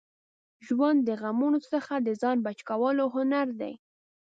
ژوند د غمونو څخه د ځان بچ کولو هنر دی.